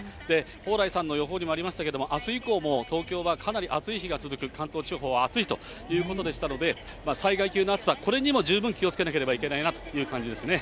蓬莱さんの予報でもありましたけれども、あす以降も東京はかなり暑い日が続く、関東地方は暑いということでしたので、災害級の暑さ、これにも十分気をつけなければいけないなという感じですね。